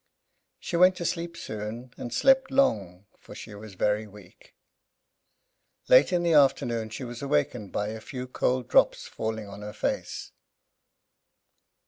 She went to sleep soon, and slept long, for she was very weak. Late in the afternoon she was awakened by a few cold drops falling on her face.